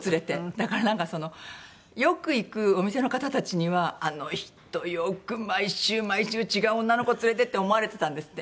だからなんかよく行くお店の方たちにはあの人よく毎週毎週違う女の子連れてって思われてたんですって。